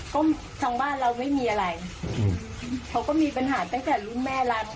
ก็ทางบ้านเราไม่มีอะไรเขาก็มีปัญหาตั้งแต่รุ่นแม่รัก